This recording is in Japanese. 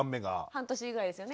半年ぐらいですよね。